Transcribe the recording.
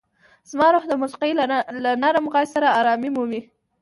زما روح د موسیقۍ له نرم غږ سره ارام مومي.